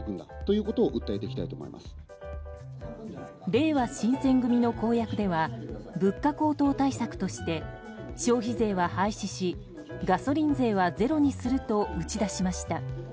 れいわ新選組の公約では物価高騰対策として消費税は廃止しガソリン税はゼロにすると打ち出しました。